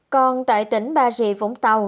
còn tại tỉnh bà rịa vũng tàu